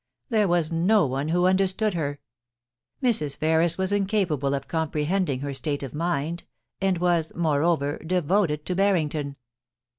There was no one who understood her. Mrs. Ferris was incapable of comprehending her state of mind, and was, moreover, devoted to Barrington.